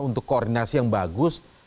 untuk koordinasi yang bagus